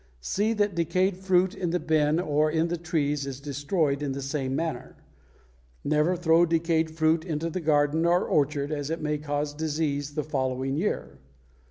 See that decayed fruit in the bin or on the trees is destroyed in the same manner. Never throw decayed fruit into the garden or orchard, as it may cause disease the following year.